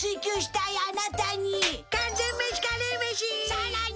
さらに！